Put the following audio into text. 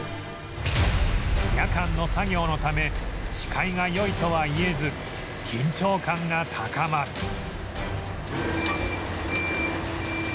夜間の作業のため視界が良いとはいえず緊張感が高まる